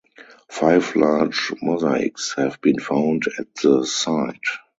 Five large mosaics have been found at the site.